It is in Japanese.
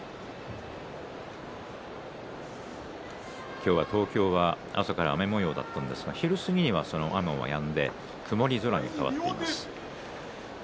今日は東京は朝から雨もようだったんですが昼過ぎには、その雨もやんで曇り空に変わっています。